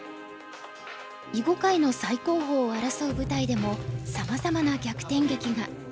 囲碁界の最高峰を争う舞台でもさまざまな逆転劇が。